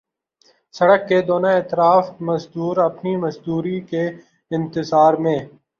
سڑک کے دونوں اطراف مزدور اپنی مزدوری کے انتظار میں